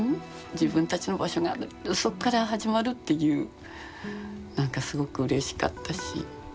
自分たちの場所があるそっから始まるっていうなんかすごくうれしかったし。